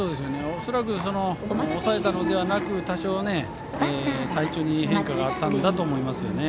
恐らく抑えたのではなく多少、体調に変化があったんだと思いますね。